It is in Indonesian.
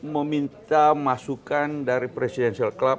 meminta masukan dari presidential club